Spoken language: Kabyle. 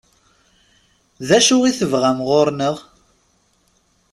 D acu i tebɣam ɣur-neɣ?